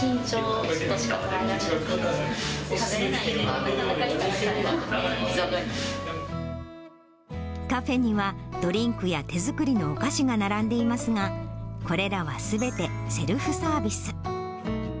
食べれないとかが理解されなカフェには、ドリンクや手作りのお菓子が並んでいますが、これらはすべてセルフサービス。